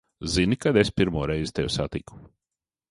Zini, kad es pirmo reizi tevi satiku?